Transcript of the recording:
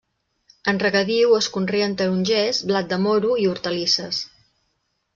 En regadiu es conreen tarongers, blat de moro i hortalisses.